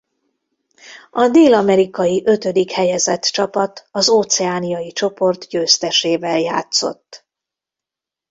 A dél-amerikai ötödik helyezett csapat az óceániai csoport győztesével játszott.